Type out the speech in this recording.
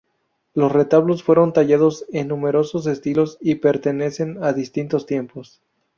Los retablos fueron tallados en numerosos estilos y pertenecen a distintos tiempos.